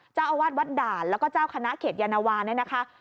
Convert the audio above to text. เจ้าอาวาสวัดด่านแล้วก็เจ้าคณะเขตยานวาเนี่ยนะคะ